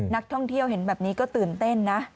นักท่องเที่ยวเห็นแบบนี้ก็ตื่นเต้นนะ